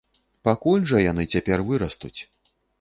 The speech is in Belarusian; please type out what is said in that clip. Пакуль жа яны цяпер вырастуць!